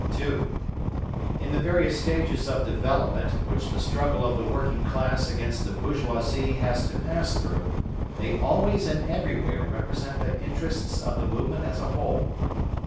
(2) In the various stages of development which the struggle of the working class against the bourgeoisie has to pass through, they always and everywhere represent the interests of the movement as a whole.